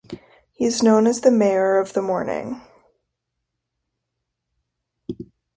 He is known as "The Mayor of the Morning".